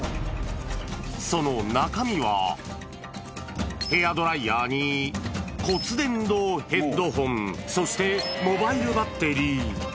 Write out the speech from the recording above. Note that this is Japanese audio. その中身は、ヘアドライヤーに骨伝導ヘッドホン、そしてモバイルバッテリー。